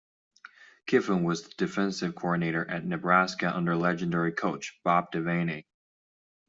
Kiffin was the defensive coordinator at Nebraska under legendary coach, Bob Devaney.